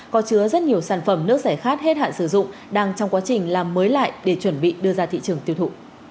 có chứa rất nhiều sản phẩm nước giải khát hết hạn sử dụng đang trong quá trình làm mới lại để chuẩn bị đưa ra thị trường tiêu thụ